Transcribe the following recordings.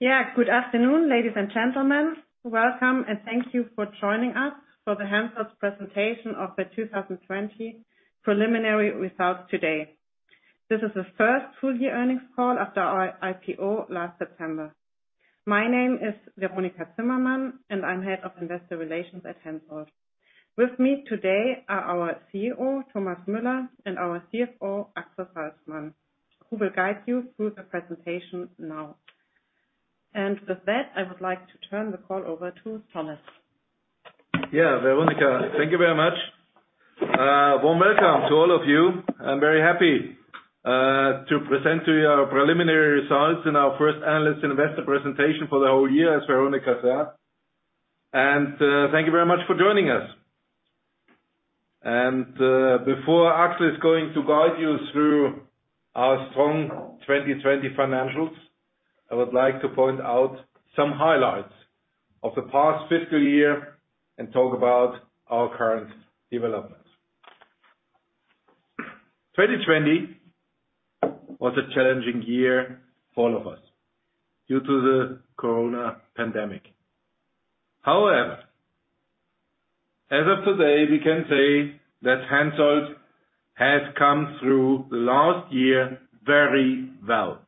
Yeah, good afternoon, ladies and gentlemen. Welcome, and thank you for joining us for the Hensoldt's presentation of the 2020 preliminary results today. This is the first full-year earnings call after our IPO last September. My name is Veronika Zimmermann, and I'm head of investor relations at Hensoldt. With me today are our CEO, Thomas Müller, and our CFO, Axel Salzmann, who will guide you through the presentation now, and with that, I would like to turn the call over to Thomas. Yeah, Veronika, thank you very much. A warm welcome to all of you. I'm very happy to present to you our preliminary results and our first analyst investor presentation for the whole year, as Veronika said. Thank you very much for joining us. Before Axel is going to guide you through our strong 2020 financials, I would like to point out some highlights of the past fiscal year and talk about our current developments. 2020 was a challenging year for all of us due to the corona pandemic. However, as of today, we can say that Hensoldt has come through the last year very well.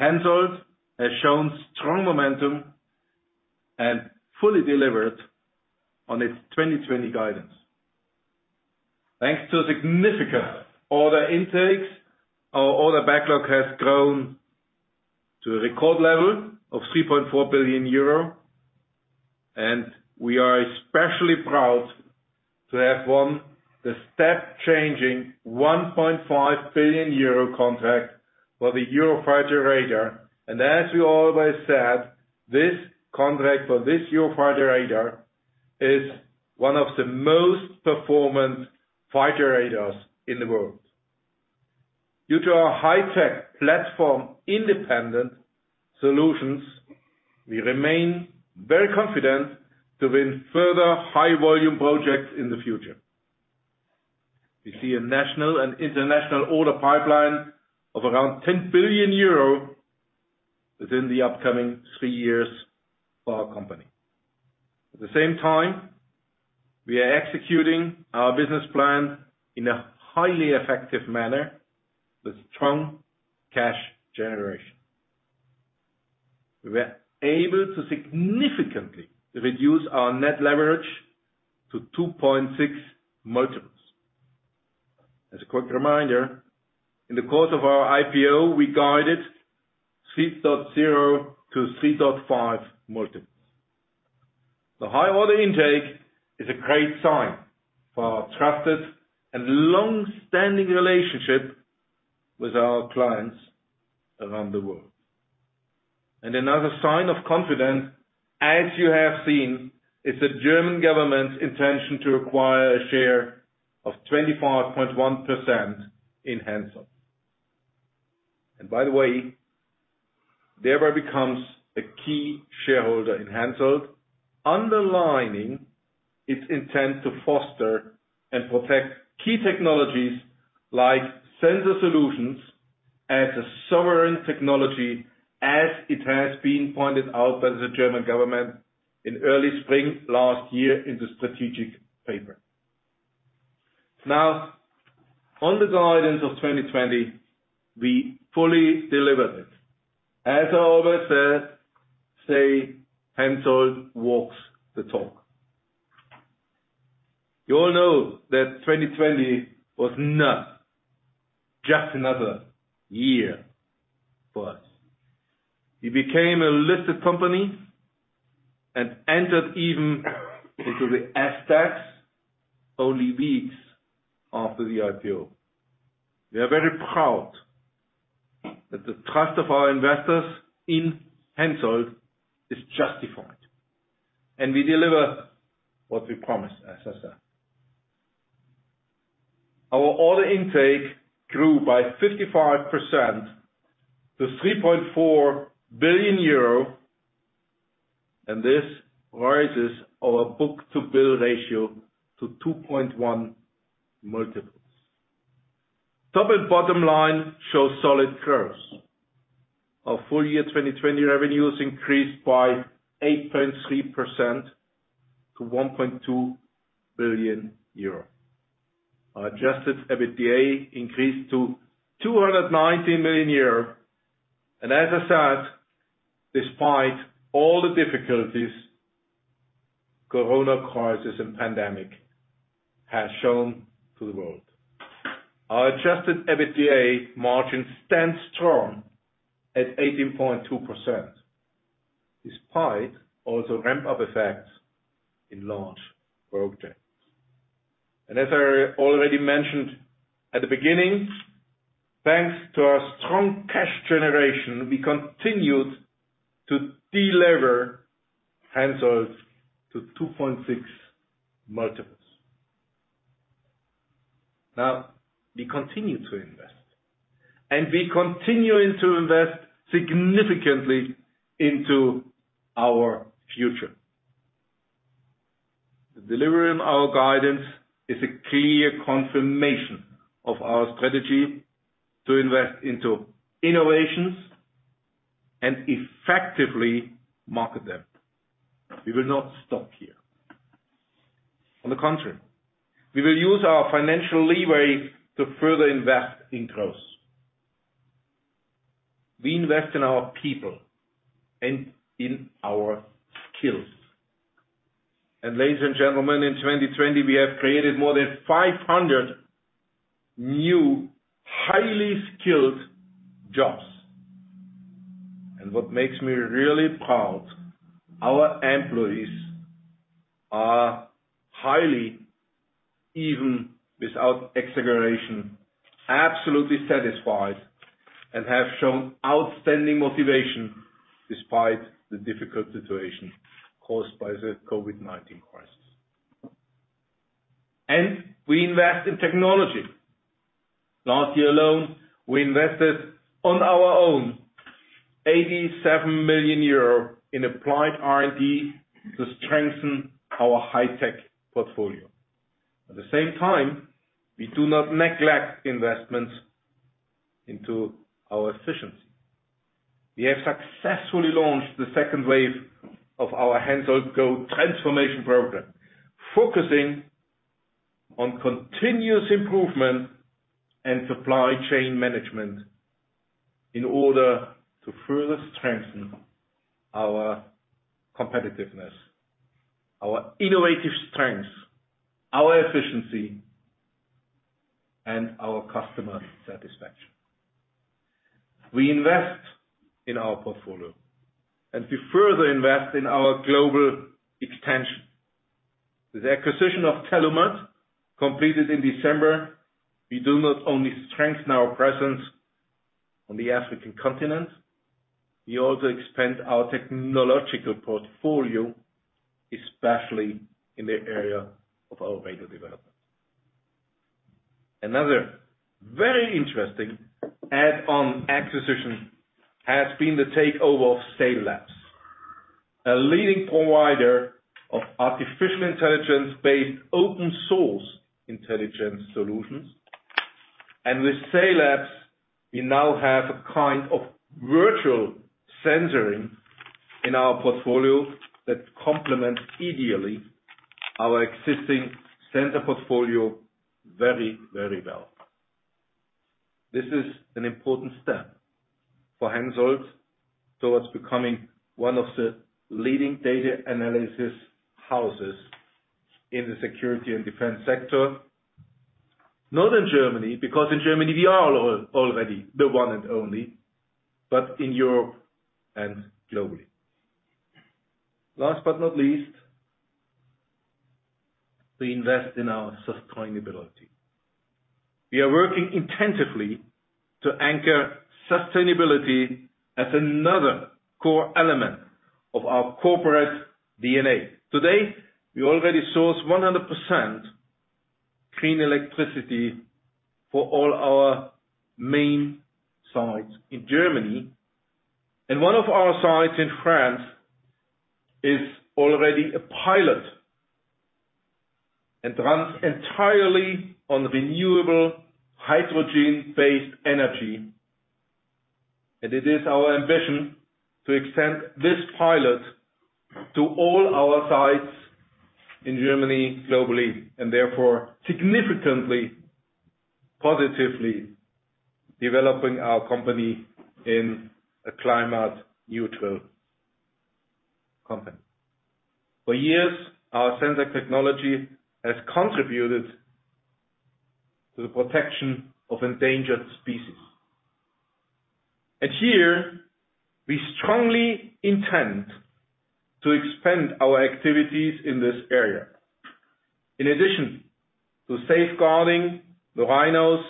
Hensoldt has shown strong momentum and fully delivered on its 2020 guidance. Thanks to significant order intakes, our order backlog has grown to a record level of 3.4 billion euro, and we are especially proud to have won the step-changing 1.5 billion euro contract for the Eurofighter radar, and as we always said, this contract for this Eurofighter radar is one of the most performant fighter radars in the world. Due to our high-tech platform-independent solutions, we remain very confident to win further high-volume projects in the future. We see a national and international order pipeline of around 10 billion euro within the upcoming three years for our company. At the same time, we are executing our business plan in a highly effective manner with strong cash generation. We were able to significantly reduce our net leverage to 2.6 multiples. As a quick reminder, in the course of our IPO, we guided 3.0-3.5 multiples. The high order intake is a great sign for our trusted and long-standing relationship with our clients around the world, and another sign of confidence, as you have seen, is the German government's intention to acquire a share of 25.1% in Hensoldt, and by the way, therefore it becomes a key shareholder in Hensoldt, underlining its intent to foster and protect key technologies like sensor solutions as a sovereign technology, as it has been pointed out by the German government in early spring last year in the strategic paper. Now, on the guidance of 2020, we fully delivered it. As I always say, Hensoldt walks the talk. You all know that 2020 was not just another year for us. We became a listed company and entered even into the SDAX only weeks after the IPO. We are very proud that the trust of our investors in Hensoldt is justified, and we deliver what we promised, as I said. Our order intake grew by 55% to 3.4 billion euro, and this raises our book-to-bill ratio to 2.1 multiples. Top and bottom line show solid curves. Our full year 2020 revenues increased by 8.3% to 1.2 billion euro. Our adjusted EBITDA increased to 219 million euro, and as I said, despite all the difficulties the corona crisis and pandemic has shown to the world, our adjusted EBITDA margin stands strong at 18.2% despite also ramp-up effects in large projects, and as I already mentioned at the beginning, thanks to our strong cash generation, we continued to deliver Hensoldt to 2.6 multiples. Now, we continue to invest, and we continue to invest significantly into our future. The delivery on our guidance is a clear confirmation of our strategy to invest into innovations and effectively market them. We will not stop here. On the contrary, we will use our financial leeway to further invest in growth. We invest in our people and in our skills. And ladies and gentlemen, in 2020, we have created more than 500 new highly skilled jobs. And what makes me really proud, our employees are highly, even without exaggeration, absolutely satisfied and have shown outstanding motivation despite the difficult situation caused by the COVID-19 crisis. And we invest in technology. Last year alone, we invested on our own 87 million euro in applied R&D to strengthen our high-tech portfolio. At the same time, we do not neglect investments into our efficiency. We have successfully launched the second wave of our Hensoldt Growth Transformation Program, focusing on continuous improvement and supply chain management in order to further strengthen our competitiveness, our innovative strengths, our efficiency, and our customer satisfaction. We invest in our portfolio, and we further invest in our global extension. With the acquisition of Tellumat, completed in December, we do not only strengthen our presence on the African continent. We also expand our technological portfolio, especially in the area of our radio development. Another very interesting add-on acquisition has been the takeover of Sail Labs, a leading provider of artificial intelligence-based open-source intelligence solutions, and with Sail Labs, we now have a kind of virtual sensoring in our portfolio that complements ideally our existing sensor portfolio very, very well. This is an important step for Hensoldt towards becoming one of the leading data analysis houses in the security and defense sector, not in Germany, because in Germany we are already the one and only, but in Europe and globally. Last but not least, we invest in our sustainability. We are working intensively to anchor sustainability as another core element of our corporate DNA. Today, we already source 100% clean electricity for all our main sites in Germany, and one of our sites in France is already a pilot and runs entirely on renewable hydrogen-based energy, and it is our ambition to extend this pilot to all our sites in Germany globally and therefore significantly positively developing our company in a climate-neutral company. For years, our sensor technology has contributed to the protection of endangered species, and here, we strongly intend to expand our activities in this area. In addition to safeguarding the rhinos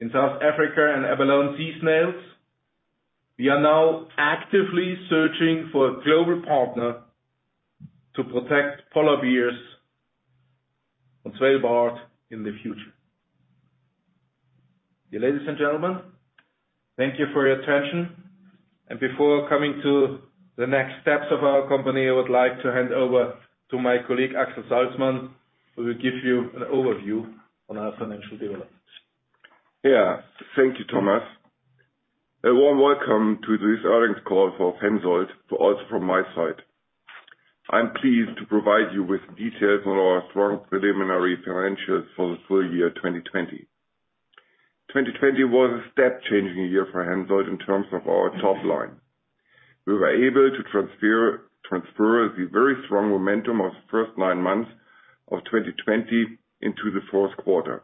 in South Africa and abalone sea snails, we are now actively searching for a global partner to protect polar bears on Svalbard in the future. Dear ladies and gentlemen, thank you for your attention. And before coming to the next steps of our company, I would like to hand over to my colleague Axel Salzmann, who will give you an overview on our financial developments. Yeah, thank you, Thomas. A warm welcome to this audience call for Hensoldt, also from my side. I'm pleased to provide you with details on our strong preliminary financials for the full year 2020. 2020 was a step-changing year for Hensoldt in terms of our top line. We were able to transfer the very strong momentum of the first nine months of 2020 into the fourth quarter.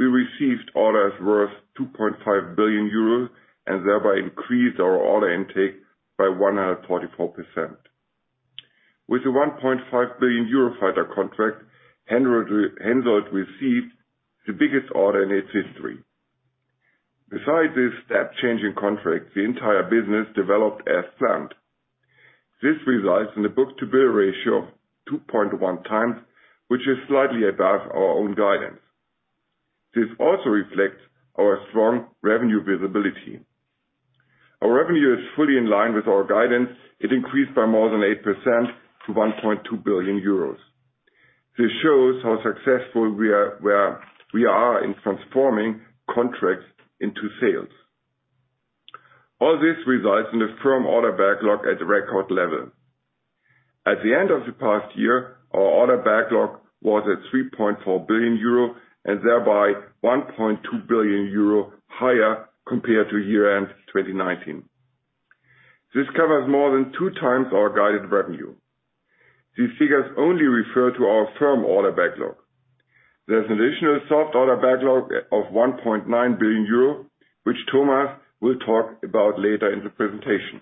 We received orders worth 2.5 billion euros and thereby increased our order intake by 144%. With the 1.5 billion fighter contract, Hensoldt received the biggest order in its history. Besides this step-changing contract, the entire business developed as planned. This results in a book-to-bill ratio of 2.1 times, which is slightly above our own guidance. This also reflects our strong revenue visibility. Our revenue is fully in line with our guidance. It increased by more than 8% to 1.2 billion euros. This shows how successful we are in transforming contracts into sales. All this results in a firm order backlog at the record level. At the end of the past year, our order backlog was at 3.4 billion euro and thereby 1.2 billion euro higher compared to year-end 2019. This covers more than two times our guided revenue. These figures only refer to our firm order backlog. There's an additional soft order backlog of 1.9 billion euro, which Thomas will talk about later in the presentation.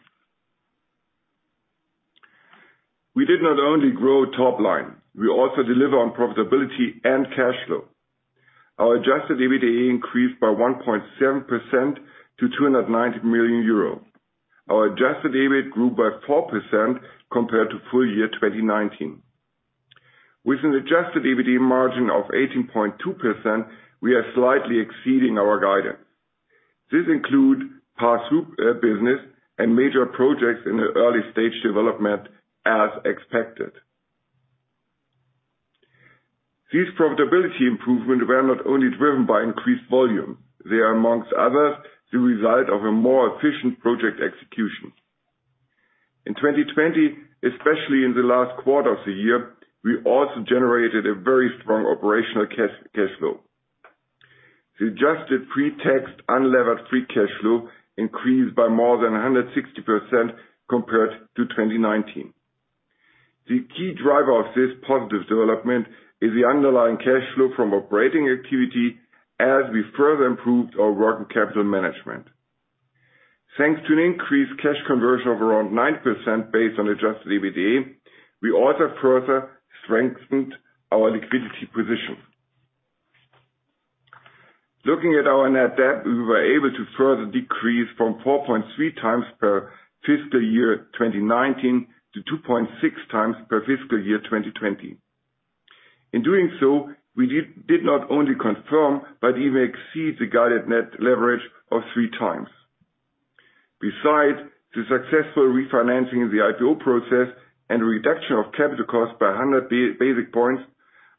We did not only grow top line. We also deliver on profitability and cash flow. Our adjusted EBITDA increased by 1.7% to 290 million euro. Our adjusted EBIT grew by 4% compared to full year 2019. With an adjusted EBITDA margin of 18.2%, we are slightly exceeding our guidance. This includes past business and major projects in the early stage development, as expected. These profitability improvements were not only driven by increased volume. They are, among others, the result of a more efficient project execution. In 2020, especially in the last quarter of the year, we also generated a very strong operational cash flow. The adjusted pre-taxed unlevered free cash flow increased by more than 160% compared to 2019. The key driver of this positive development is the underlying cash flow from operating activity as we further improved our working capital management. Thanks to an increased cash conversion of around 9% based on adjusted EBITDA, we also further strengthened our liquidity position. Looking at our net debt, we were able to further decrease from 4.3 times per fiscal year 2019 to 2.6 times per fiscal year 2020. In doing so, we did not only confirm but even exceed the guided net leverage of three times. Besides the successful refinancing in the IPO process and reduction of capital costs by 100 basis points,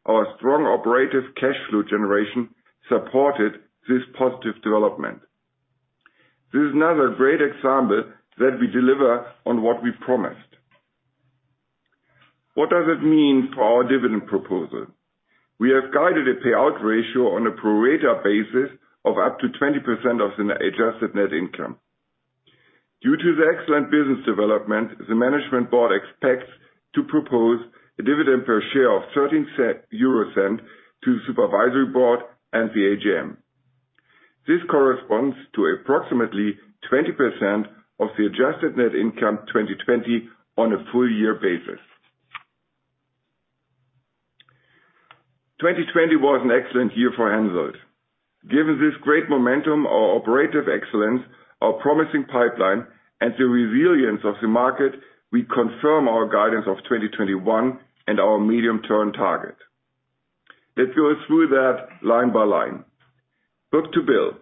our strong operative cash flow generation supported this positive development. This is another great example that we deliver on what we promised. What does it mean for our dividend proposal? We have guided a payout ratio on a pro rata basis of up to 20% of the adjusted net income. Due to the excellent business development, the management board expects to propose a dividend per share of 13 euro to the supervisory board and the AGM. This corresponds to approximately 20% of the adjusted net income 2020 on a full year basis. 2020 was an excellent year for Hensoldt. Given this great momentum, our operative excellence, our promising pipeline, and the resilience of the market, we confirm our guidance of 2021 and our medium-term target. Let's go through that line by line. Book-to-bill,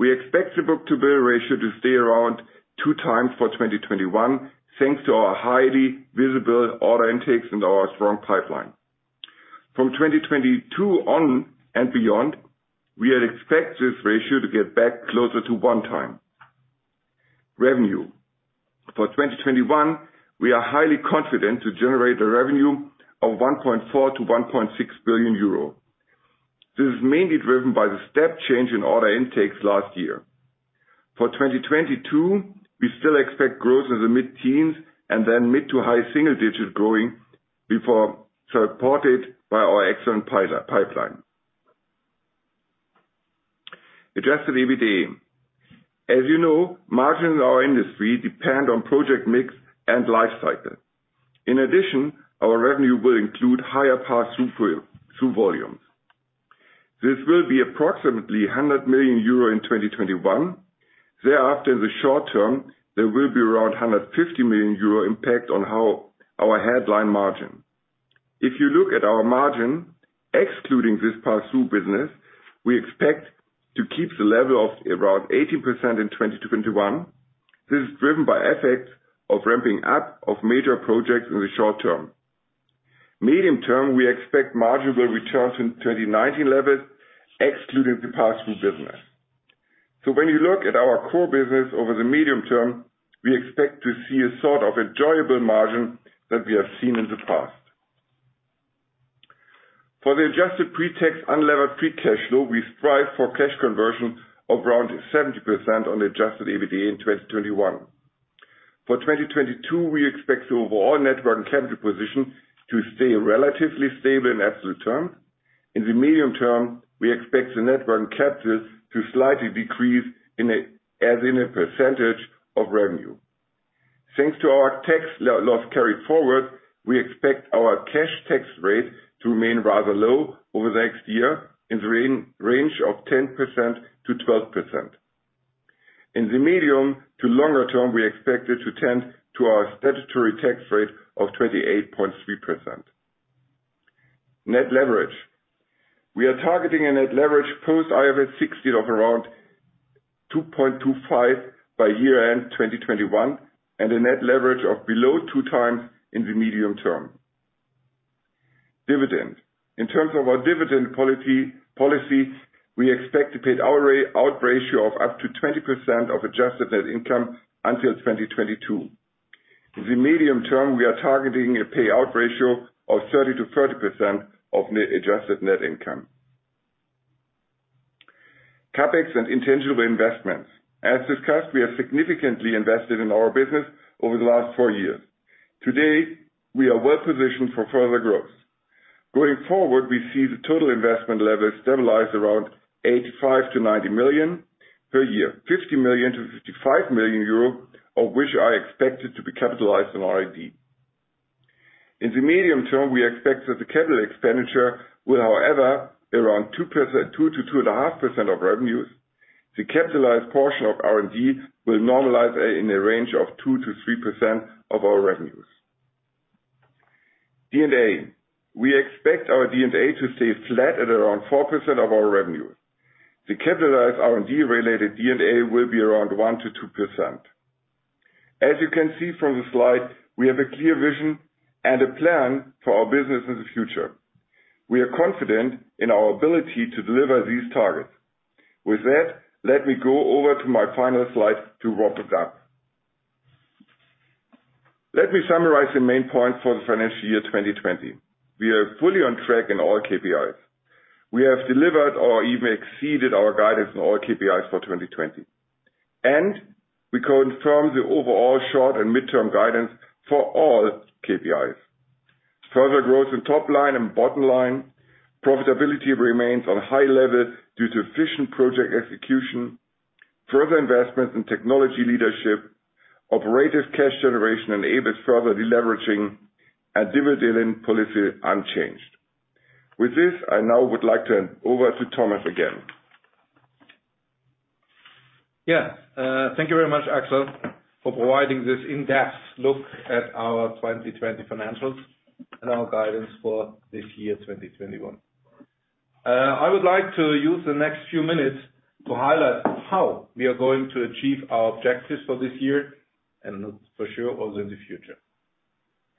we expect the book-to-bill ratio to stay around two times for 2021, thanks to our highly visible order intakes and our strong pipeline. From 2022 on and beyond, we expect this ratio to get back closer to one time. Revenue, for 2021, we are highly confident to generate a revenue of 1.4 - 1.6 billion euro. This is mainly driven by the step change in order intakes last year. For 2022, we still expect growth in the mid-teens and then mid to high single-digit growing reported by our excellent pipeline. Adjusted EBITDA, as you know, margins in our industry depend on project mix and life cycle. In addition, our revenue will include higher pass-through volumes. This will be approximately 100 million euro in 2021. Thereafter, in the short term, there will be around 150 million euro impact on our headline margin. If you look at our margin, excluding this pass-through business, we expect to keep the level of around 18% in 2021. This is driven by effects of ramping up of major projects in the short term. Medium term, we expect margins return to 2019 levels, excluding the pass-through business. So when you look at our core business over the medium term, we expect to see a sort of enviable margin that we have seen in the past. For the adjusted pre-tax unlevered free cash flow, we strive for cash conversion of around 70% on the adjusted EBITDA in 2021. For 2022, we expect the overall net debt and capital position to stay relatively stable in absolute terms. In the medium term, we expect the net debt and capital to slightly decrease as a percentage of revenue. Thanks to our tax loss carried forward, we expect our cash tax rate to remain rather low over the next year in the range of 10%-12%. In the medium to longer term, we expect it to tend to our statutory tax rate of 28.3%. Net leverage, we are targeting a net leverage post-IFRS 16 of around 2.25 by year-end 2021 and a net leverage of below two times in the medium term. Dividend, in terms of our dividend policy, we expect to pay out ratio of up to 20% of adjusted net income until 2022. In the medium term, we are targeting a payout ratio of 30%-30% of the adjusted net income. CapEx and intangible investments, as discussed, we have significantly invested in our business over the last four years. Today, we are well positioned for further growth. Going forward, we see the total investment level stabilize around 85-90 million per year, 50-55 million euro, of which I expect it to be capitalized on R&D. In the medium term, we expect that the capital expenditure will, however, be around 2%-2.5% of revenues. The capitalized portion of R&D will normalize in a range of 2%-3% of our revenues. D&A, we expect our D&A to stay flat at around 4% of our revenue. The capitalized R&D-related D&A will be around 1%-2%. As you can see from the slide, we have a clear vision and a plan for our business in the future. We are confident in our ability to deliver these targets. With that, let me go over to my final slide to wrap it up. Let me summarize the main points for the financial year 2020. We are fully on track in all KPIs. We have delivered or even exceeded our guidance in all KPIs for 2020, and we confirm the overall short and midterm guidance for all KPIs. Further growth in top line and bottom line. Profitability remains on a high level due to efficient project execution. Further investments in technology leadership. Operative cash generation enables further deleveraging, and dividend policy unchanged. With this, I now would like to hand over to Thomas again. Yeah, thank you very much, Axel, for providing this in-depth look at our 2020 financials and our guidance for this year 2021. I would like to use the next few minutes to highlight how we are going to achieve our objectives for this year and for sure also in the future.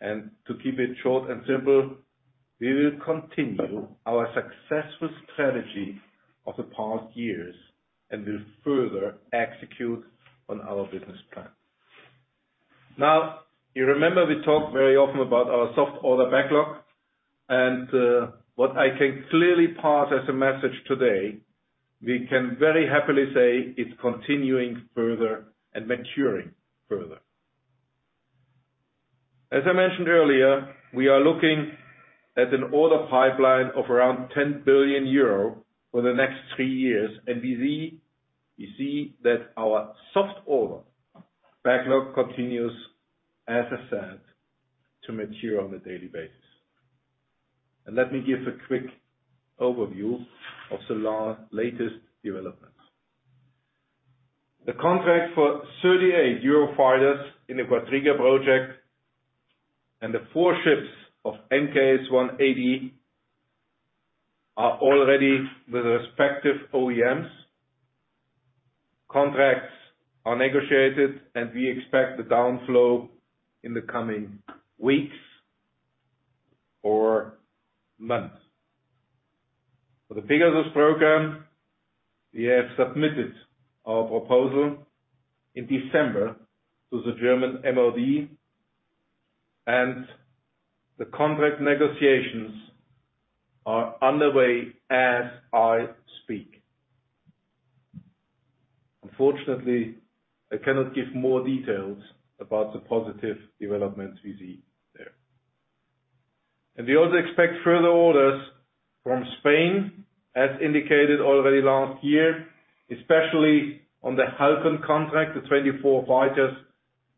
And to keep it short and simple, we will continue our successful strategy of the past years and will further execute on our business plan. Now, you remember we talked very often about our soft order backlog. And what I can clearly pass as a message today, we can very happily say it's continuing further and maturing further. As I mentioned earlier, we are looking at an order pipeline of around 10 billion euro for the next three years. And we see that our soft order backlog continues, as I said, to mature on a daily basis. And let me give a quick overview of the latest developments. The contract for 38 Eurofighters in the Quadriga project and the four ships of MKS 180 are already with respective OEMs. Contracts are negotiated, and we expect the downflow in the coming weeks or months. For the Pegasus program, we have submitted our proposal in December to the German MoD. And the contract negotiations are underway as I speak. Unfortunately, I cannot give more details about the positive developments we see there. And we also expect further orders from Spain, as indicated already last year, especially on the Halcon contract, the 24 fighters,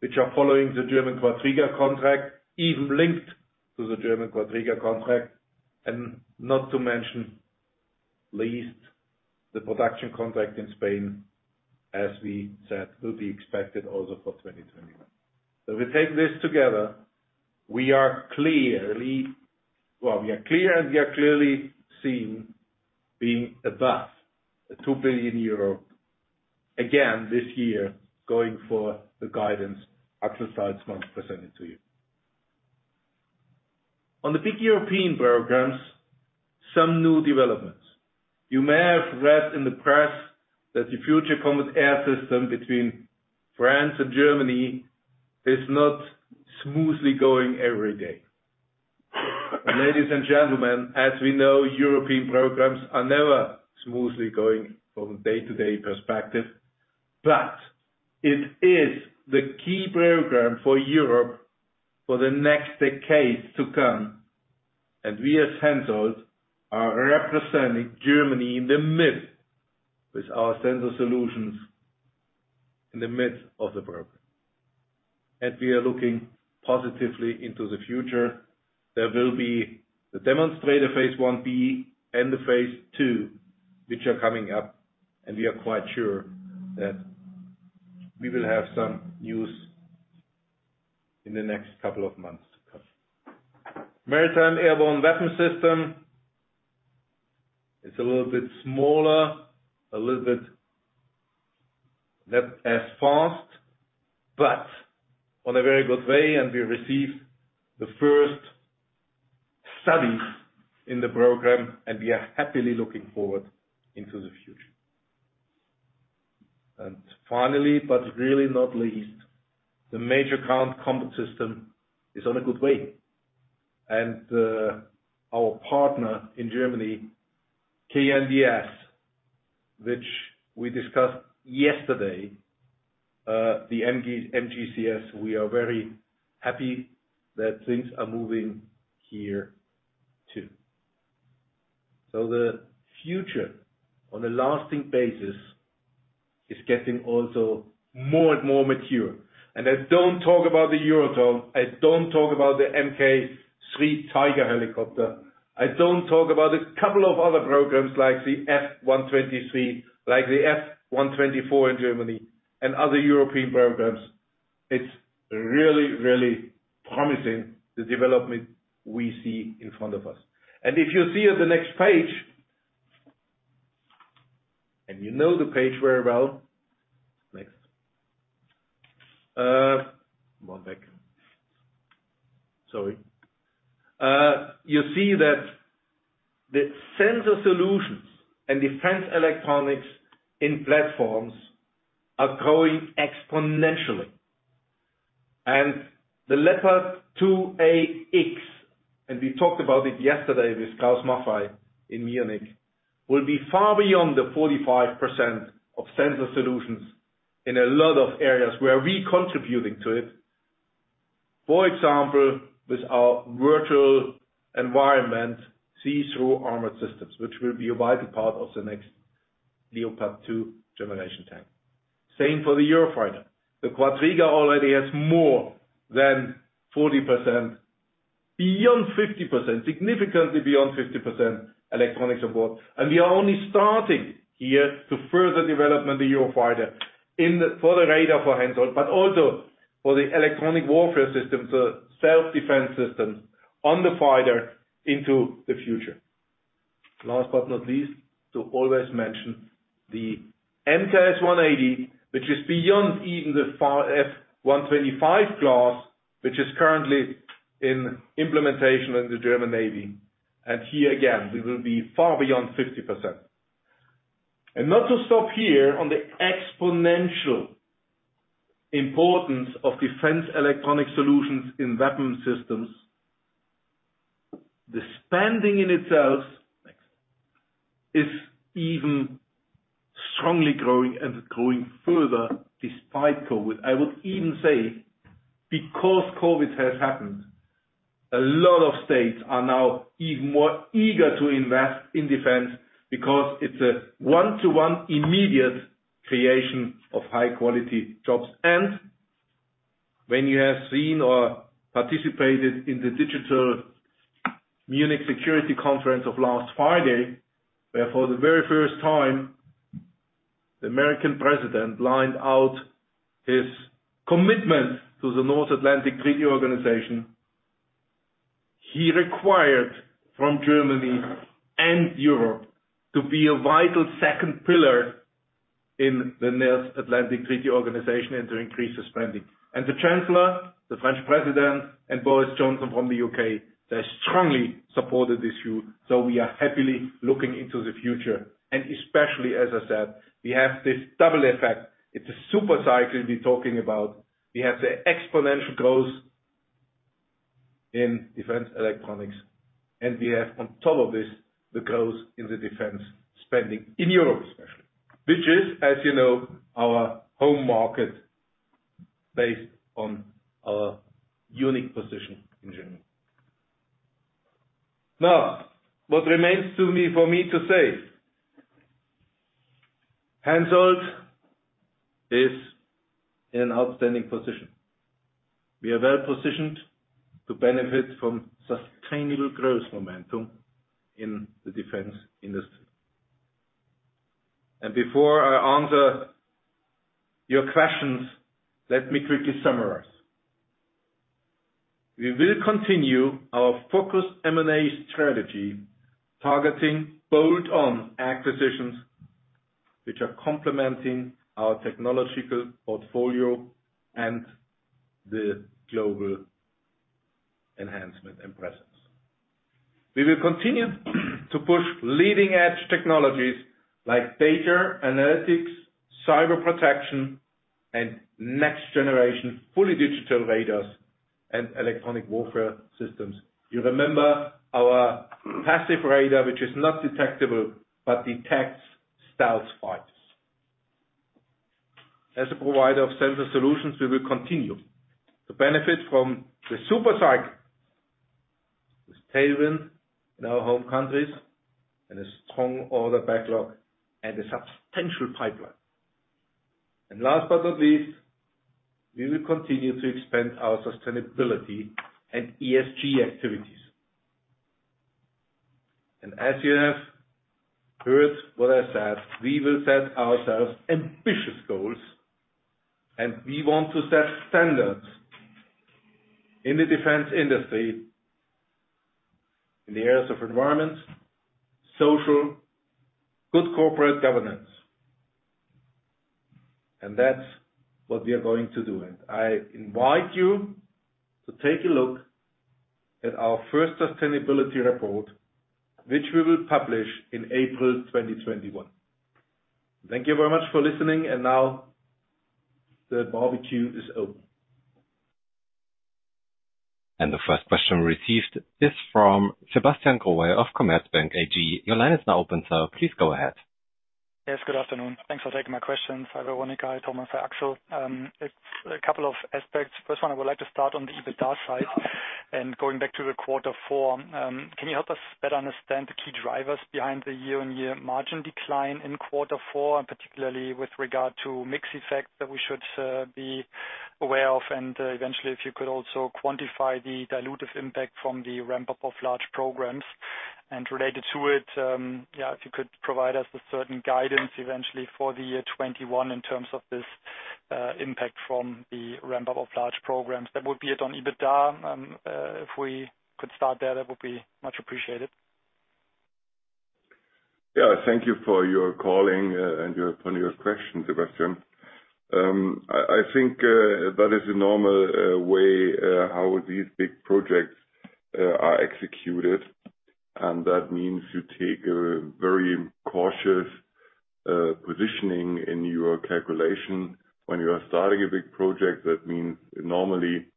which are following the German Quadriga contract, even linked to the German Quadriga contract. And not to mention, at least, the production contract in Spain, as we said, will be expected also for 2021. So if we take this together, we are clearly, well, we are clear and we are clearly seen being above 2 billion euro again this year going for the guidance Axel Salzmann presented to you. On the big European programs, some new developments. You may have read in the press that the Future Combat Air System between France and Germany is not smoothly going every day. Ladies and gentlemen, as we know, European programs are never smoothly going from a day-to-day perspective. But it is the key program for Europe for the next decade to come. And we, as Hensoldt, are representing Germany in the middle with our sensor solutions in the midst of the program. And we are looking positively into the future. There will be the demonstrator phase 1B and the phase 2, which are coming up. We are quite sure that we will have some news in the next couple of months to come. Maritime Airborne Warfare System is a little bit smaller, a little bit less fast, but on a very good way. We received the first studies in the program, and we are happily looking forward into the future. Finally, but really not least, the Main Ground Combat System is on a good way. Our partner in Germany, KNDS, which we discussed yesterday, the MGCS, we are very happy that things are moving here too. The future on a lasting basis is getting also more and more mature. I don't talk about the Eurodrone. I don't talk about the MkIII Tiger helicopter. I don't talk about a couple of other programs like the F123, like the F124 in Germany, and other European programs. It's really, really promising, the development we see in front of us. And if you'll see at the next page, and you know the page very well. You see that the sensor solutions and defense electronics in platforms are growing exponentially. And the Leopard 2AX, and we talked about it yesterday with Krauss-Maffei in Munich, will be far beyond the 45% of sensor solutions in a lot of areas where we are contributing to it. For example, with our virtual environment, see-through armored systems, which will be a vital part of the next Leopard 2 generation tank. Same for the Eurofighter. The Quadriga already has more than 40%, beyond 50%, significantly beyond 50% electronics aboard. And we are only starting here to further development the Eurofighter for the radar for Hensoldt, but also for the electronic warfare systems, the self-defense systems on the fighter into the future. Last but not least, to always mention the MKS 180, which is beyond even the F125 class, which is currently in implementation in the German Navy. And here again, we will be far beyond 50%. And not to stop here on the exponential importance of defense electronic solutions in weapon systems. The spending in itself is even strongly growing and growing further despite COVID. I would even say, because COVID has happened, a lot of states are now even more eager to invest in defense because it's a one-to-one immediate creation of high-quality jobs. And when you have seen or participated in the digital Munich Security Conference of last Friday, where for the very first time the American president laid out his commitment to the North Atlantic Treaty Organization, he required from Germany and Europe to be a vital second pillar in the North Atlantic Treaty Organization and to increase the spending. And the Chancellor, the French President, and Boris Johnson from the UK, they strongly supported this view. So we are happily looking into the future. And especially, as I said, we have this double effect. It's a super cycle we're talking about. We have the exponential growth in defense electronics. And we have, on top of this, the growth in the defense spending in Europe, especially, which is, as you know, our home market based on our unique position in Germany. Now, what remains for me to say, Hensoldt is in an outstanding position. We are well positioned to benefit from sustainable growth momentum in the defense industry, and before I answer your questions, let me quickly summarize. We will continue our focused M&A strategy, targeting bolt-on acquisitions, which are complementing our technological portfolio and the global enhancement and presence. We will continue to push leading-edge technologies like data analytics, cyber protection, and next-generation fully digital radars and electronic warfare systems. You remember our passive radar, which is not detectable, but detects stealth fighters. As a provider of sensor solutions, we will continue to benefit from the super cycle, the tailwind in our home countries, and a strong order backlog and a substantial pipeline, and last but not least, we will continue to expand our sustainability and ESG activities. As you have heard what I said, we will set ourselves ambitious goals. We want to set standards in the defense industry in the areas of environment, social, good corporate governance. That's what we are going to do. I invite you to take a look at our first sustainability report, which we will publish in April 2021. Thank you very much for listening. Now the Q&A is open. The first question we received is from Sebastian Growe of Commerzbank AG. Your line is now open, so please go ahead. Yes, good afternoon. Thanks for taking my questions, Oliver Dörre, Thomas, Axel. It's a couple of aspects. First one, I would like to start on the EBITDA side. And going back to the quarter four, can you help us better understand the key drivers behind the year-on-year margin decline in quarter four, particularly with regard to mixed effects that we should be aware of? And eventually, if you could also quantify the dilutive impact from the ramp-up of large programs. And related to it, yeah, if you could provide us with certain guidance eventually for the year 2021 in terms of this impact from the ramp-up of large programs. That would be it on EBITDA. If we could start there, that would be much appreciated. Yeah, thank you for your calling and for your questions, Sebastian. I think that is a normal way how these big projects are executed. And that means you take a very cautious positioning in your calculation when you are starting a big project. That means normally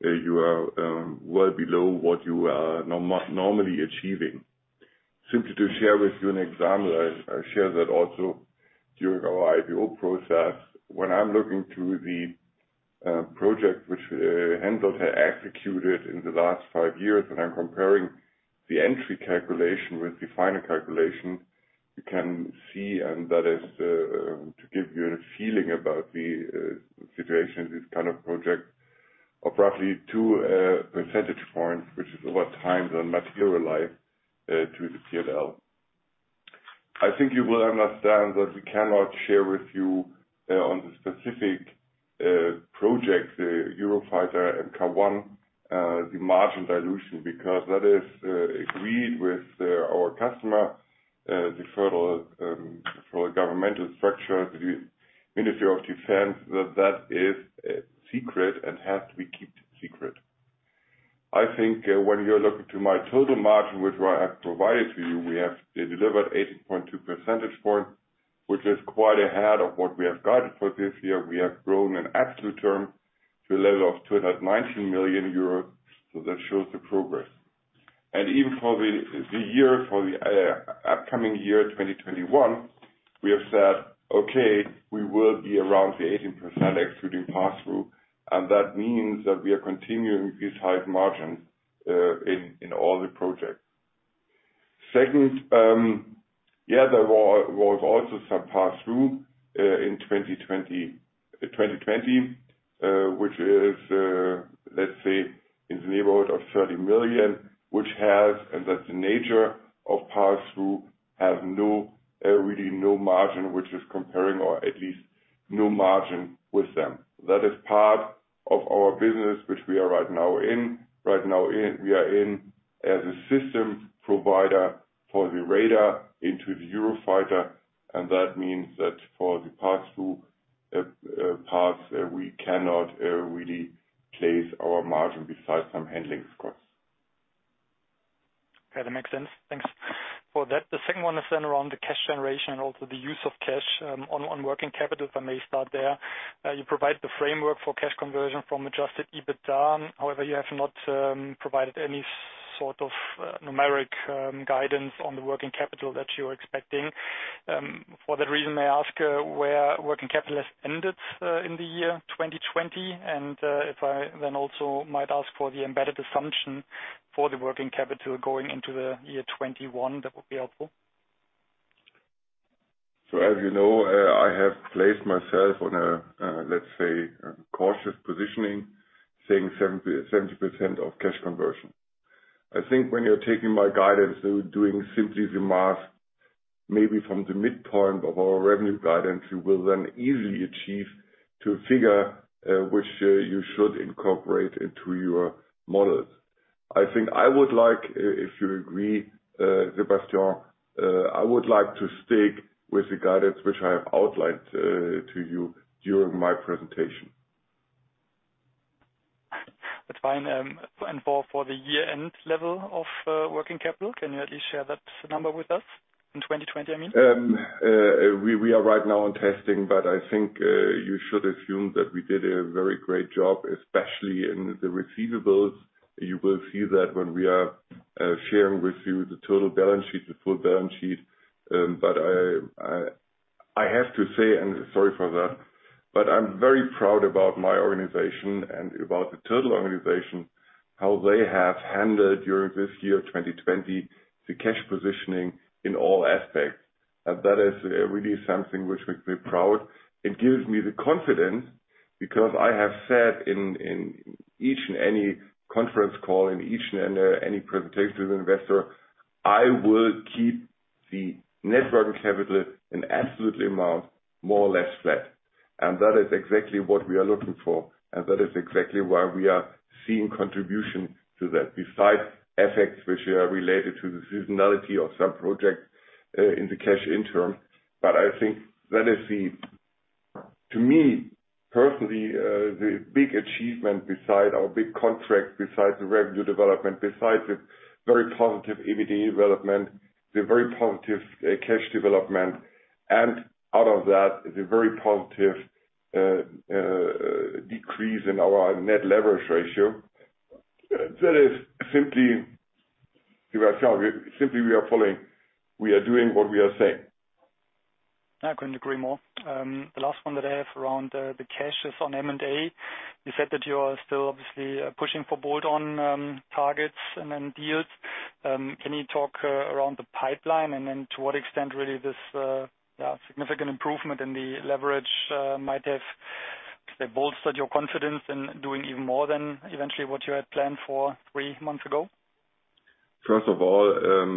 you are well below what you are normally achieving. Simply to share with you an example, I shared that also during our IPO process. When I'm looking through the project which Hensoldt had executed in the last five years, when I'm comparing the entry calculation with the final calculation, you can see, and that is to give you a feeling about the situation in this kind of project, of roughly two percentage points, which is over time then materialized to the P&L. I think you will understand that we cannot share with you on the specific project, the Eurofighter and K1, the margin dilution, because that is agreed with our customer, the federal governmental structure, the Ministry of Defense, that that is secret and has to be kept secret. I think when you're looking to my total margin, which I have provided to you, we have delivered 18.2 percentage points, which is quite ahead of what we have got for this year. We have grown in absolute terms to a level of 219 million euros. So that shows the progress. And even for the upcoming year, 2021, we have said, okay, we will be around the 18% excluding pass-through. And that means that we are continuing these high margins in all the projects. Second, yeah, there was also some pass-through in 2020, which is, let's say, in the neighborhood of 30 million, which has, and that the nature of pass-through has really no margin, which is comparing or at least no margin with them. That is part of our business, which we are right now in. Right now, we are in as a system provider for the radar into the Eurofighter. And that means that for the pass-through parts, we cannot really place our margin besides some handling costs. Okay, that makes sense. Thanks for that. The second one is then around the cash generation and also the use of cash on working capital. If I may start there, you provide the framework for cash conversion from adjusted EBITDA. However, you have not provided any sort of numeric guidance on the working capital that you are expecting. For that reason, may I ask where working capital has ended in the year 2020? And if I then also might ask for the embedded assumption for the working capital going into the year 2021, that would be helpful. So as you know, I have placed myself on a, let's say, cautious positioning, saying 70% of cash conversion. I think when you're taking my guidance, doing simply the math, maybe from the midpoint of our revenue guidance, you will then easily achieve to a figure which you should incorporate into your models. I think I would like, if you agree, Sebastian, I would like to stick with the guidance which I have outlined to you during my presentation. That's fine. And for the year-end level of working capital, can you at least share that number with us? In 2020, I mean. We are right now on testing, but I think you should assume that we did a very great job, especially in the receivables. You will see that when we are sharing with you the total balance sheet, the full balance sheet. But I have to say, and sorry for that, but I'm very proud about my organization and about the total organization, how they have handled during this year 2020, the cash positioning in all aspects. And that is really something which makes me proud. It gives me the confidence because I have said in each and any conference call, in each and any presentation to the investor, I will keep the net working capital in absolute amount more or less flat. And that is exactly what we are looking for. And that is exactly why we are seeing contribution to that, besides effects which are related to the seasonality of some projects in the cash interim. But I think that is the, to me personally, the big achievement beside our big contract, beside the revenue development, beside the very positive EBITDA development, the very positive cash development. And out of that, the very positive decrease in our net leverage ratio. That is simply, Sebastian, simply we are following. We are doing what we are saying. I couldn't agree more. The last one that I have around the cash is on M&A. You said that you are still obviously pushing for bolt-on targets and then deals. Can you talk around the pipeline and then to what extent really this significant improvement in the leverage might have bolstered your confidence in doing even more than eventually what you had planned for three months ago? First of all,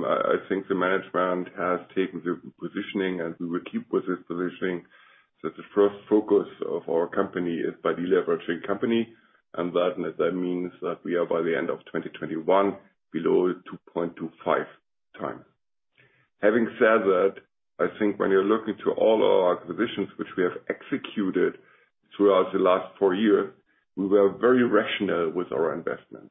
I think the management has taken the positioning, and we will keep with this positioning, so the first focus of our company is by deleveraging company, and that means that we are by the end of 2021 below 2.25 times. Having said that, I think when you're looking to all our acquisitions which we have executed throughout the last four years, we were very rational with our investments.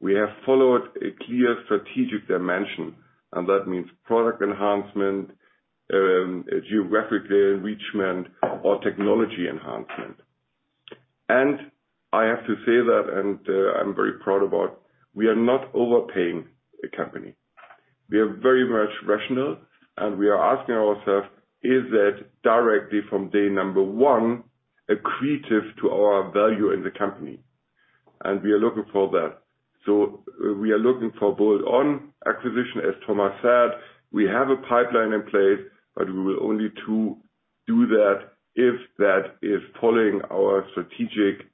We have followed a clear strategic dimension, and that means product enhancement, geographic enrichment, or technology enhancement, and I have to say that, and I'm very proud about, we are not overpaying a company. We are very much rational, and we are asking ourselves, is that directly from day number one accretive to our value in the company? And we are looking for that, so we are looking for bolt-on acquisition, as Thomas said. We have a pipeline in place, but we will only do that if that is following our strategic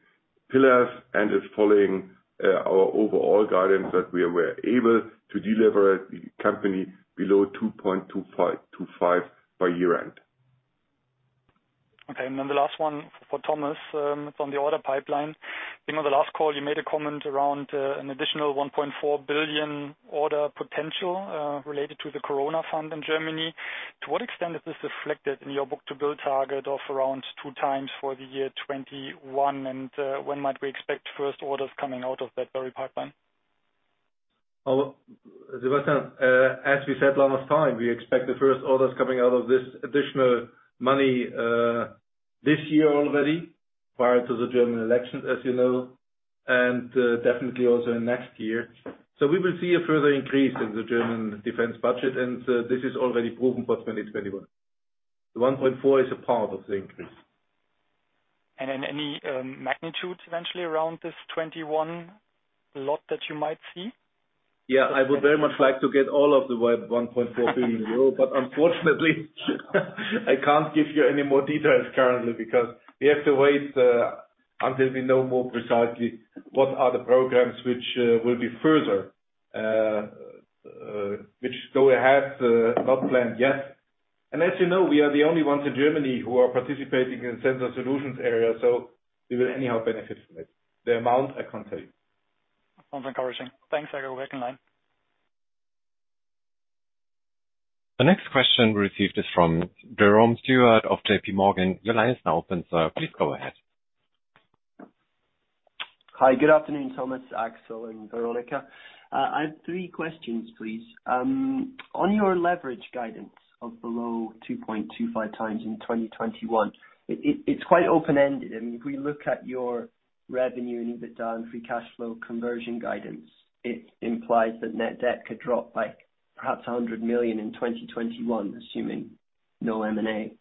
pillars and is following our overall guidance that we were able to deliver the company below 2.25 by year-end. Okay. And then the last one for Thomas, it's on the order pipeline. I think on the last call, you made a comment around an additional 1.4 billion order potential related to the Corona Fund in Germany. To what extent is this reflected in your book-to-bill target of around two times for the year 2021? And when might we expect first orders coming out of that very pipeline? Sebastian, as we said last time, we expect the first orders coming out of this additional money this year already, prior to the German elections, as you know, and definitely also next year. So we will see a further increase in the German defense budget. And this is already proven for 2021. The 1.4 is a part of the increase. Any magnitude eventually around this 21 lot that you might see? Yeah, I would very much like to get all of the 1.4 billion euro. But unfortunately, I can't give you any more details currently because we have to wait until we know more precisely what are the programs which will be further, which go ahead, not planned yet. And as you know, we are the only ones in Germany who are participating in the sensor solutions area. So we will anyhow benefit from it. The amount, I can't tell you. Sounds encouraging. Thanks. I'll go back in line. The next question we received is from Oliver Dörre of J.P. Morgan. Your line is now open, sir. Please go ahead. Hi, good afternoon, Thomas, Axel, and Veronika. I have three questions, please. On your leverage guidance of below 2.25 times in 2021, it's quite open-ended. I mean, if we look at your revenue and EBITDA and free cash flow conversion guidance, it implies that net debt could drop by perhaps 100 million in 2021, assuming no M&A.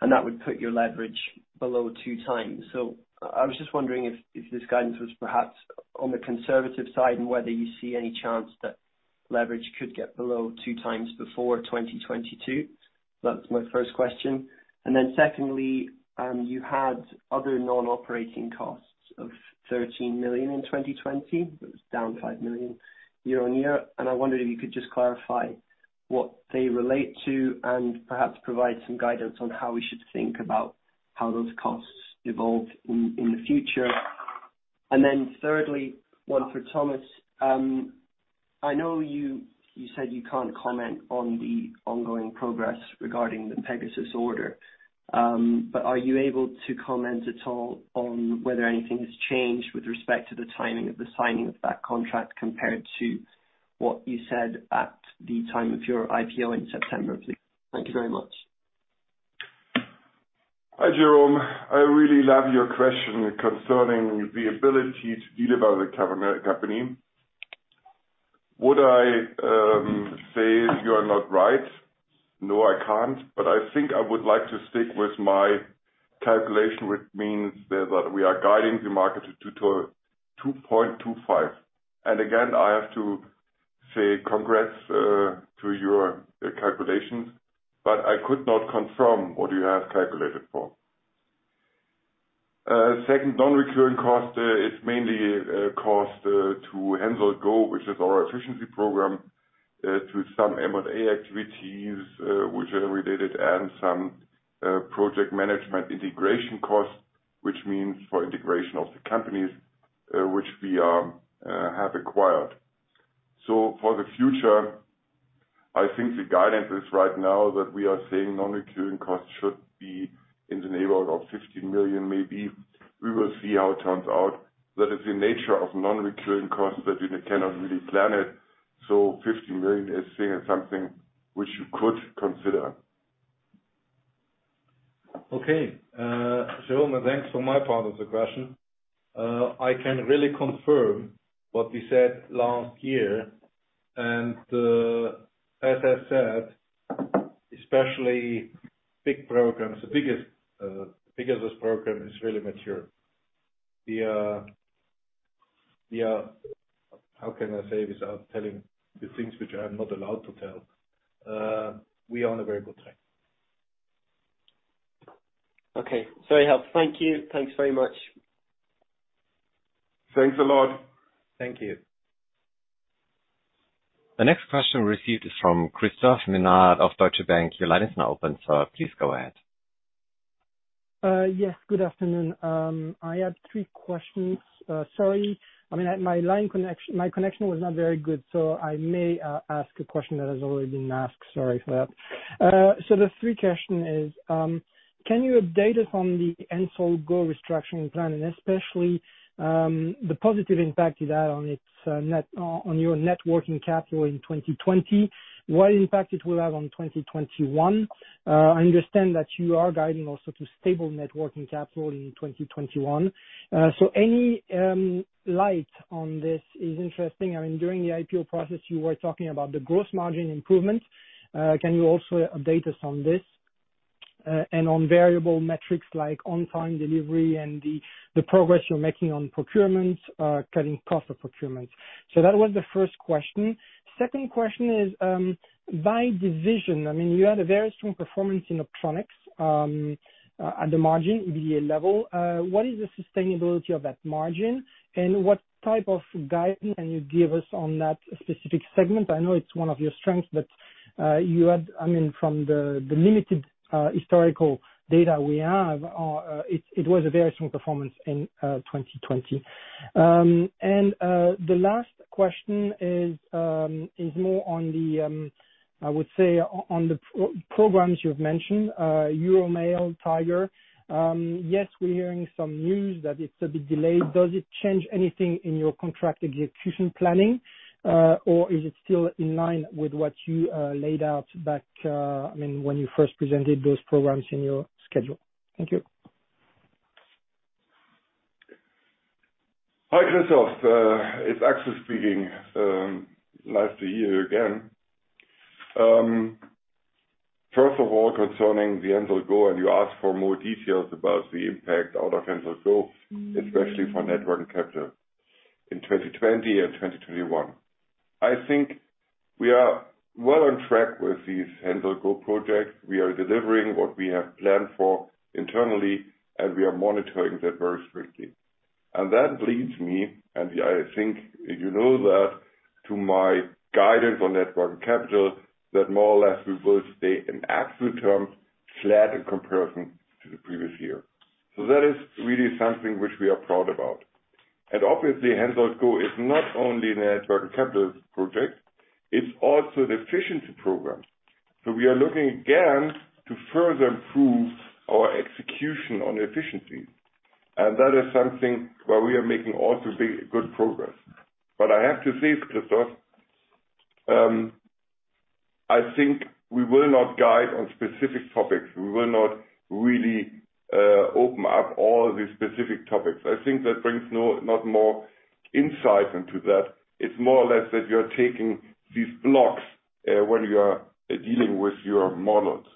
And that would put your leverage below two times. So I was just wondering if this guidance was perhaps on the conservative side and whether you see any chance that leverage could get below two times before 2022. That's my first question. And then secondly, you had other non-operating costs of 13 million in 2020. It was down 5 million year-on-year. And I wondered if you could just clarify what they relate to and perhaps provide some guidance on how we should think about how those costs evolve in the future. And then thirdly, one for Thomas. I know you said you can't comment on the ongoing progress regarding the Pegasus order, but are you able to comment at all on whether anything has changed with respect to the timing of the signing of that contract compared to what you said at the time of your IPO in September? Thank you very much. Hi, Dörre. I really love your question concerning the ability to deliver the company. What I say is you are not right. No, I can't. But I think I would like to stick with my calculation, which means that we are guiding the market to 2.25. And again, I have to say congrats to your calculations, but I could not confirm what you have calculated for. Second, non-recurring cost, it's mainly cost to Hensoldt GO, which is our efficiency program, to some M&A activities, which are related, and some project management integration cost, which means for integration of the companies which we have acquired. So for the future, I think the guidance is right now that we are saying non-recurring cost should be in the neighborhood of 15 million, maybe. We will see how it turns out. That is the nature of non-recurring cost that you cannot really plan it. 15 million is something which you could consider. Okay. So, thanks for my part of the question. I can really confirm what we said last year. And as I said, especially big programs, the Pegasus program is really mature. How can I say without telling the things which I'm not allowed to tell? We are on a very good track. Okay. So, I have. Thank you. Thanks very much. Thanks a lot. Thank you. The next question we received is from Christophe Menard of Deutsche Bank. Your line is now open, sir. Please go ahead. Yes, good afternoon. I had three questions. Sorry. I mean, my line connection was not very good, so I may ask a question that has already been asked. Sorry for that. So the three questions is, can you update us on the Hensoldt Go restructuring plan, and especially the positive impact it had on your net working capital in 2020? What impact it will have on 2021? I understand that you are guiding also to stable net working capital in 2021. So any light on this is interesting. I mean, during the IPO process, you were talking about the gross margin improvement. Can you also update us on this and on variable metrics like on-time delivery and the progress you're making on procurement, cutting cost of procurement? So that was the first question. Second question is, by division, I mean, you had a very strong performance in Optronics at the margin EBITDA level. What is the sustainability of that margin? And what type of guidance can you give us on that specific segment? I know it's one of your strengths, but you had, I mean, from the limited historical data we have, it was a very strong performance in 2020. And the last question is more on the, I would say, on the programs you've mentioned, Euro MALE, Tiger. Yes, we're hearing some news that it's a bit delayed. Does it change anything in your contract execution planning, or is it still in line with what you laid out back, I mean, when you first presented those programs in your schedule? Thank you. Hi, Christoph. It's Axel speaking. Nice to hear you again. First of all, concerning the Hensoldt Go, and you asked for more details about the impact out of Hensoldt Go, especially for net working capital in 2020 and 2021. I think we are well on track with these Hensoldt Go projects. We are delivering what we have planned for internally, and we are monitoring that very strictly. And that leads me, and I think you know that, to my guidance on net working capital, that more or less we will stay in actual terms flat in comparison to the previous year. So that is really something which we are proud about. And obviously, Hensoldt Go is not only a net working capital project. It's also an efficiency program. So we are looking again to further improve our execution on efficiency. And that is something where we are making also good progress. But I have to say, Christoph, I think we will not guide on specific topics. We will not really open up all the specific topics. I think that brings not more insight into that. It's more or less that you are taking these blocks when you are dealing with your models.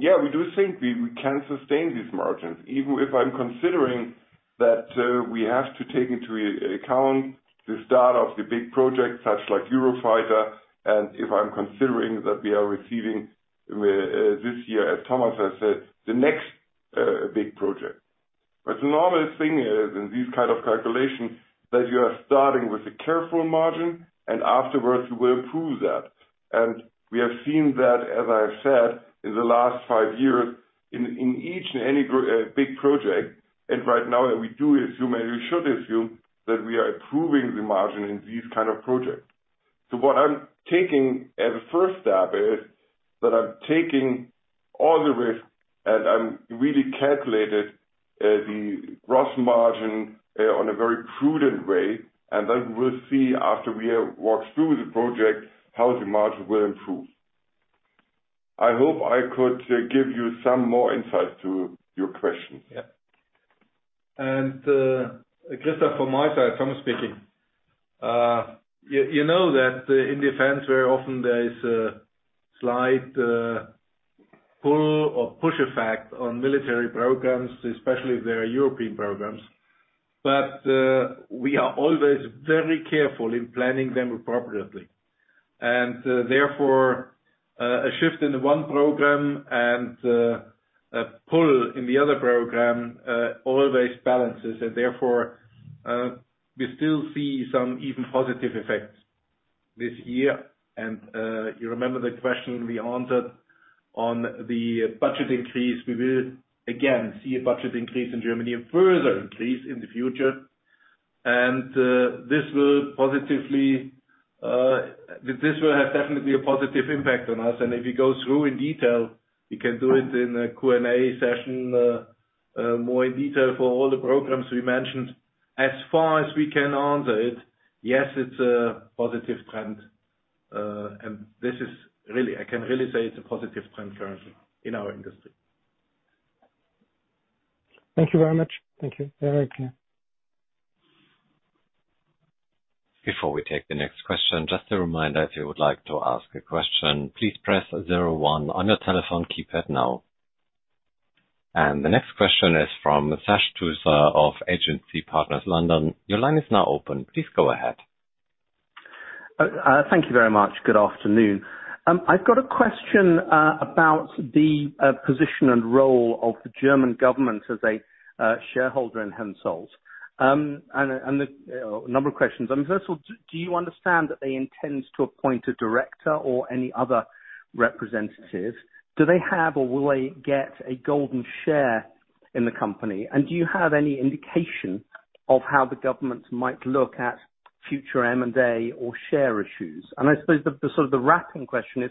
Yeah, we do think we can sustain these margins, even if I'm considering that we have to take into account the start of the big projects such like Eurofighter, and if I'm considering that we are receiving this year, as Thomas has said, the next big project. But the normal thing is in these kinds of calculations that you are starting with a careful margin, and afterwards, you will improve that. And we have seen that, as I've said, in the last five years in each and any big project. And right now, we do assume, and we should assume that we are improving the margin in these kinds of projects. So what I'm taking as a first step is that I'm taking all the risks, and I'm really calculating the gross margin on a very prudent way. And then we'll see after we have walked through the project how the margin will improve. I hope I could give you some more insight to your questions. Yeah. And Christoph, from my side, Thomas speaking. You know that in defense, very often there is a slight pull or push effect on military programs, especially if they are European programs. But we are always very careful in planning them appropriately. And therefore, a shift in one program and a pull in the other program always balances. And therefore, we still see some even positive effects this year. And you remember the question we answered on the budget increase. We will again see a budget increase in Germany and further increase in the future. And this will positively have definitely a positive impact on us. And if you go through in detail, we can do it in a Q&A session more in detail for all the programs we mentioned. As far as we can answer it, yes, it's a positive trend. This is really. I can really say it's a positive trend currently in our industry. Thank you very much. Thank you. Very clear. Before we take the next question, just a reminder, if you would like to ask a question, please press 01 on your telephone keypad now. And the next question is from Sasha Tusa of Agency Partners London. Your line is now open. Please go ahead. Thank you very much. Good afternoon. I've got a question about the position and role of the German government as a shareholder in Hensoldt, and a number of questions. I mean, first of all, do you understand that they intend to appoint a director or any other representative? Do they have or will they get a golden share in the company? And do you have any indication of how the government might look at future M&A or share issues? And I suppose the sort of the wrapping question is,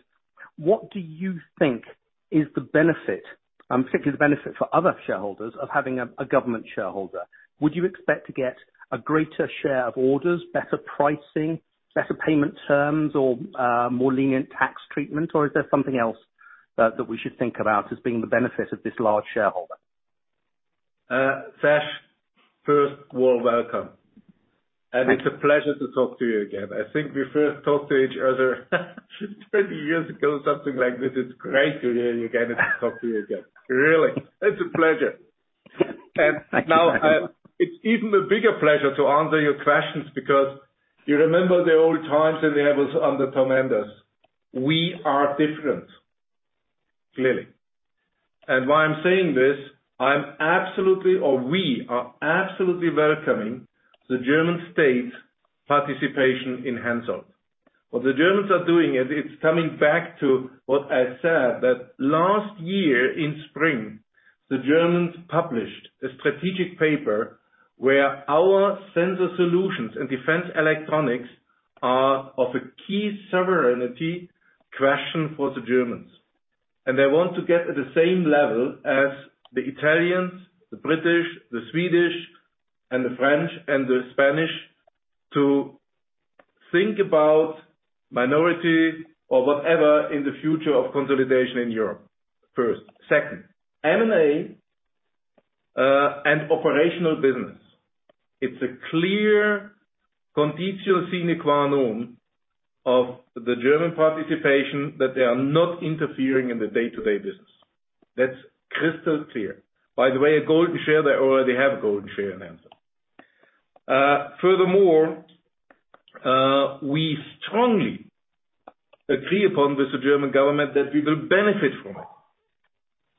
what do you think is the benefit, particularly the benefit for other shareholders, of having a government shareholder? Would you expect to get a greater share of orders, better pricing, better payment terms, or more lenient tax treatment? Or is there something else that we should think about as being the benefit of this large shareholder? Sash, first, warm welcome, and it's a pleasure to talk to you again. I think we first talked to each other 20 years ago, something like this. It's great to hear you again and to talk to you again. Really. It's a pleasure, and now, it's even a bigger pleasure to answer your questions because you remember the old times when we have under Tom Enders. We are different, clearly, and why I'm saying this, I'm absolutely or we are absolutely welcoming the German state's participation in Hensoldt. What the Germans are doing is it's coming back to what I said, that last year in spring, the Germans published a strategic paper where our sensor solutions and defense electronics are of a key sovereignty question for the Germans. They want to get at the same level as the Italians, the British, the Swedish, and the French and the Spanish to think about minority or whatever in the future of consolidation in Europe first. Second, M&A and operational business. It's a clear conditional sine qua non of the German participation that they are not interfering in the day-to-day business. That's crystal clear. By the way, a golden share, they already have a golden share in Hensoldt. Furthermore, we strongly agree upon with the German government that we will benefit from it.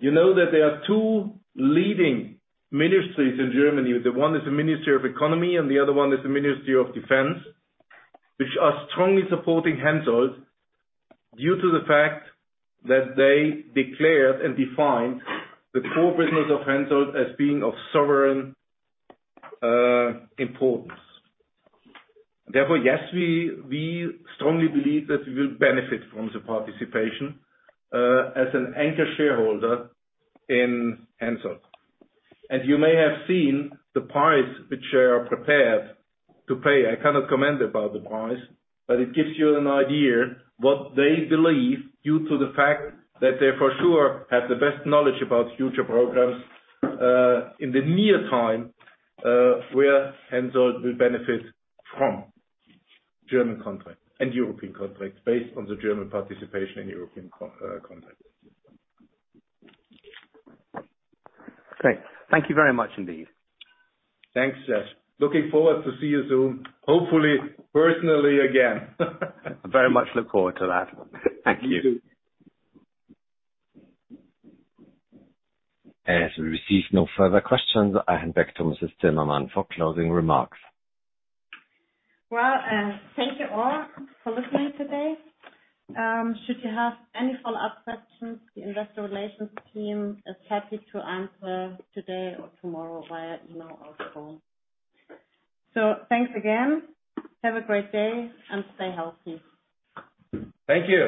You know that there are two leading ministries in Germany. The one is the Ministry of Economy, and the other one is the Ministry of Defense, which are strongly supporting Hensoldt due to the fact that they declared and defined the core business of Hensoldt as being of sovereign importance. Therefore, yes, we strongly believe that we will benefit from the participation as an anchor shareholder in Hensoldt. And you may have seen the price which they are prepared to pay. I cannot comment about the price, but it gives you an idea of what they believe due to the fact that they for sure have the best knowledge about future programs in the near time where Hensoldt will benefit from German contracts and European contracts based on the German participation in European contracts. Great. Thank you very much indeed. Thanks, Sasha. Looking forward to see you soon, hopefully personally again. I very much look forward to that. Thank you. As we receive no further questions, I hand back to Mr. Salzmann for closing remarks. Thank you all for listening today. Should you have any follow-up questions, the investor relations team is happy to answer today or tomorrow via email or phone. Thanks again. Have a great day and stay healthy. Thank you.